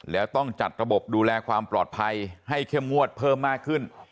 แล้วต้องจัดระบบดูแลความปลอดภัยให้เข้มงวดเพิ่มมากขึ้น